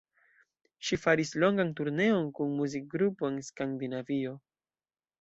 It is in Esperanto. Ŝi faris longan turneon kun muzikgrupo en Skandinavio.